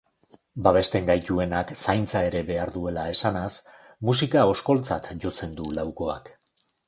Babesten gaituenak zaintza ere behar duela esanaz, musika oskoltzat jotzen du laukoak.